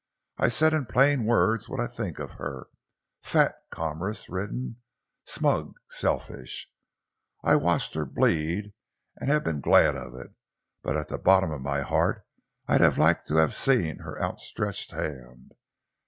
I've said in plain words what I think of her fat, commerce ridden, smug, selfish. I've watched her bleed and been glad of it, but at the bottom of my heart I'd have liked to have seen her outstretched hand.